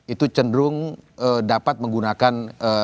itu cenderung dapat menggunakan